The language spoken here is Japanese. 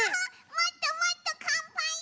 もっともっとかんぱいしたい！